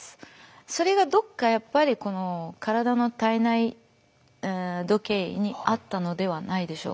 それがどっかやっぱり体の体内時計にあったのではないでしょうか。